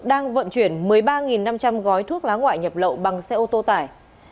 đang vận chuyển một mươi ba năm trăm linh gói thuốc lá ngoại nhập lậu bằng xe ô tô tải